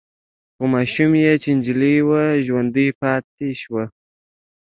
خو ماشوم يې چې نجلې وه ژوندۍ پاتې شوه.